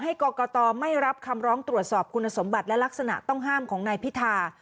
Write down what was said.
กรกตไม่รับคำร้องตรวจสอบคุณสมบัติและลักษณะต้องห้ามของนายพิธา